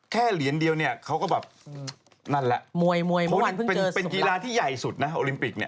เหรียญเดียวเนี่ยเขาก็แบบนั่นแหละมวยเป็นกีฬาที่ใหญ่สุดนะโอลิมปิกเนี่ย